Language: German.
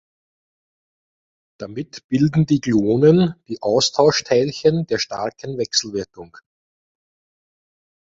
Damit bilden die Gluonen die Austauschteilchen der starken Wechselwirkung.